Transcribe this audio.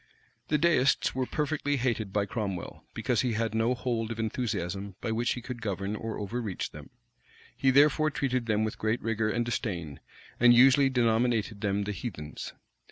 The Deists were perfectly hated by Cromwell, because he had no hold of enthusiasm by which he could govern or overreach them; he therefore treated them with great rigor and disdain, and usually denominated them the heathens.